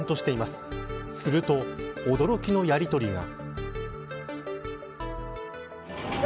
すると、驚きのやりとりが。